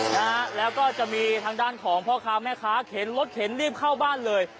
นะฮะแล้วก็จะมีทางด้านของพ่อค้าแม่ค้าเข็นรถเข็นรีบเข้าบ้านเลย